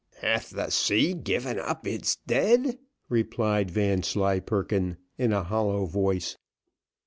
"Hath the sea given up its dead?" replied Vanslyperken, in a hollow voice.